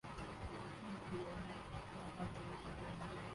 D P O نے کہاں جیب سے دینے تھے۔